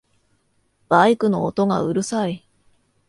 バイクの音がうるさい